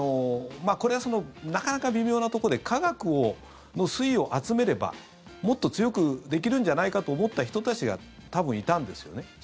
これはなかなか微妙なところで科学の粋を集めればもっと強くできるんじゃないかと思った人たちが多分いたんですよね。